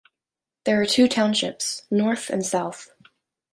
There are two townships, North and South.